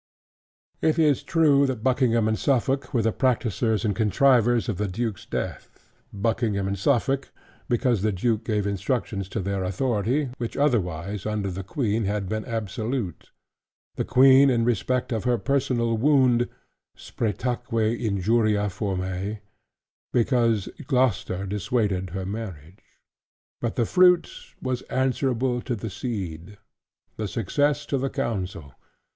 It is true that Buckingham and Suffolk were the practicers and contrivers of the Duke's death: Buckingham and Suffolk, because the Duke gave instructions to their authority, which otherwise under the Queen had been absolute; the Queen in respect of her personal wound, "spretaeque injuria formae," because Gloucester dissuaded her marriage. But the fruit was answerable to the seed; the success to the counsel.